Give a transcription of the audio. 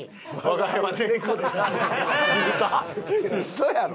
嘘やろ？